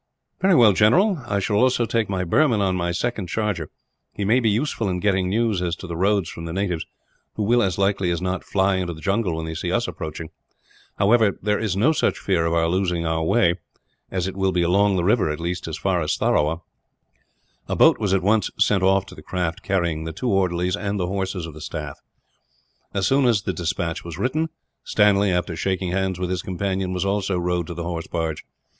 "Very well, General. I shall also take my Burman, on my second charger. He may be useful in getting news as to roads from the natives; who will, as likely as not, fly into the jungle when they see us approaching. However, there is not much fear of our losing our way, as it will be along the river, as far as Tharawa." A boat was at once sent off to the craft carrying the two orderlies and the horses of the staff. As soon as the despatch was written, Stanley, after shaking hands with his companions, was also rowed to the horse barge.